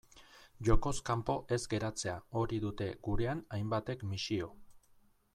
Jokoz kanpo ez geratzea, hori dute gurean hainbatek misio.